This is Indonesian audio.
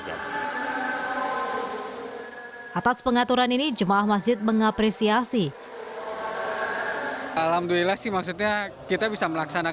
hai atas pengaturan ini jemaah masjid mengapresiasi alhamdulillah sih maksudnya kita bisa melaksanakan